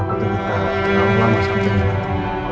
tapi kita harus langsung ke tempat ini